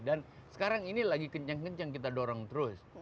dan sekarang ini lagi kencang kencang kita dorong terus